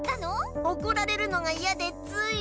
おこられるのがイヤでつい。